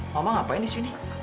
mama ngapain di sini